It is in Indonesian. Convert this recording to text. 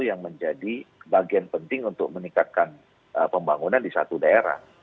yang menjadi bagian penting untuk meningkatkan pembangunan di satu daerah